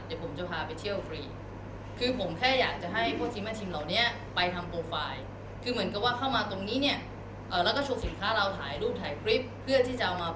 เดี๋ยวผมจะพาไปเที่ยวฟรีคือผมแค่อยากจะให้พ่อทิมท์แม่ชิม